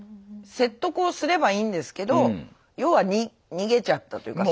説得をすればいいんですけど要は逃げちゃったというか。